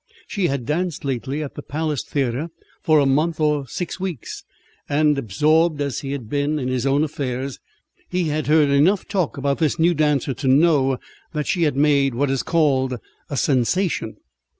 She had danced lately at the Palace Theatre for a month or six weeks, and absorbed as he had been in his own affairs, he had heard enough talk about this new dancer to know that she had made what is called a "sensation."